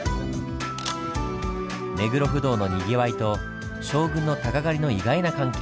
目黒不動のにぎわいと将軍の鷹狩りの意外な関係。